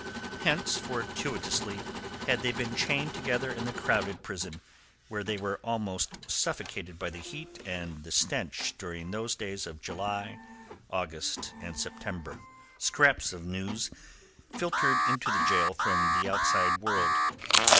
Hence, fortuitously, had they been chained together in the crowded prison, where they were almost suffocated by the heat and the stench during those days of July, August, and September. Scraps of news filtered into the gaol from the outside world.